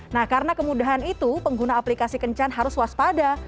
nah karena kemudahan itu pengguna aplikasi kencan harus waspada